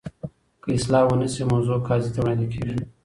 که اصلاح ونه شي، موضوع قاضي ته وړاندي کیږي.